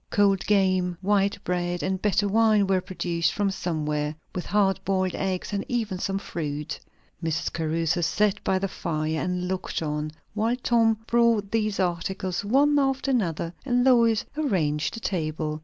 Cold game, white bread, and better wine were produced from somewhere, with hard boiled eggs and even some fruit. Mrs. Caruthers sat by the fire and looked on; while Tom brought these articles, one after another, and Lois arranged the table.